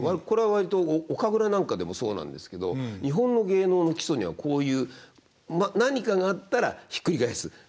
これは割とお神楽なんかでもそうなんですけど日本の芸能の基礎にはこういう「何かがあったらひっくり返す。